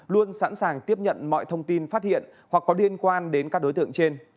luôn sẵn sàng tiếp nhận mọi thông tin phát hiện hoặc có liên quan đến các đối tượng trên